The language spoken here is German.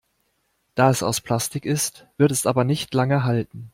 Da es aus Plastik ist, wird es aber nicht lange halten.